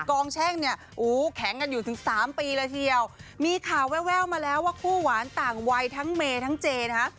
กองแช่งแข็งกันอยู่ถึง๓ปีละเทียวมีข่าวแววมาแล้วว่าคู่หวานต่างวัยทั้งเมย์ทั้งเจ๊นะ